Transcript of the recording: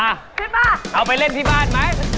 อะเอ้าไปเล่นที่บ้านมั้ยคุณบ้า